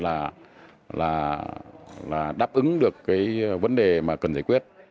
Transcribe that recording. và đại biểu nêu ra là cơ bản là đáp ứng được cái vấn đề mà cần giải quyết